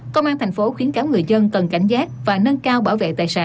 công an tp hcm khuyến cáo người dân cần cảnh giác và nâng cao bảo vệ tài sản